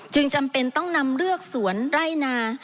จำเป็นต้องนำเรือกสวนไร่นา